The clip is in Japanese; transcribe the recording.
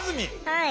はい。